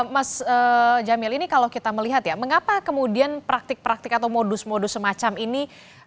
mas jamil ini kalau kita melihat ya mengapa kemudian praktik praktik atau modus modus semacam ini